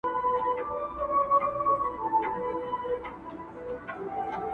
• دوی دواړه بحث کوي او يو بل ته ټوکي کوي..